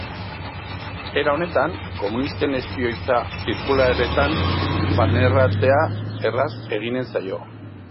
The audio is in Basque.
Era honetan, komunisten espioitza zirkuluetan barneratzea erraz eginen zaio.